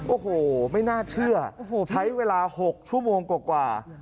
โอ้โหไม่น่าเชื่อใช้เวลา๖ชั่วโมงกว่า